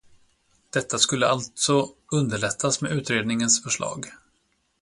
Detta skulle alltså underlättas med utredningens förslag.